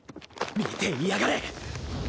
見ていやがれ！